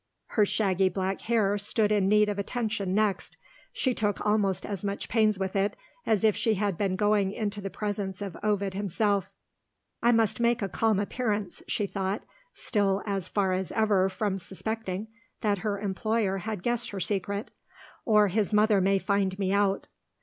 Her shaggy black hair stood in need of attention next. She took almost as much pains with it as if she had been going into the presence of Ovid himself. "I must make a calm appearance," she thought, still as far as ever from suspecting that her employer had guessed her secret, "or his mother may find me out."